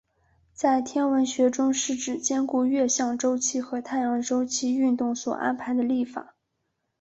在天文学中是指兼顾月相周期和太阳周期运动所安排的历法。